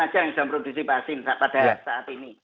saja yang sudah memproduksi vaksin pada saat ini